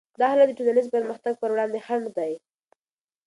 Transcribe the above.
دا حالت د ټولنیز پرمختګ پر وړاندې خنډ دی.